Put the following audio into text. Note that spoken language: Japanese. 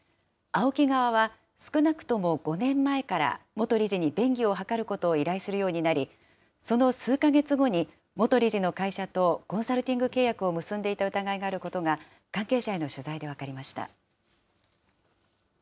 ＡＯＫＩ側は少なくとも５年前から、元理事に便宜を図ることを依頼するようになり、その数か月後に、元理事の会社とコンサルティング契約を結んでいた疑いがあることが、関係者への取材で分かりました。